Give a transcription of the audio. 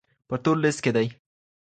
په تور ليست کي دي.